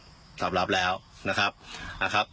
อีคิวซังตอบรับแล้วนะครับ